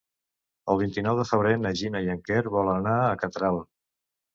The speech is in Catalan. El vint-i-nou de febrer na Gina i en Quer volen anar a Catral.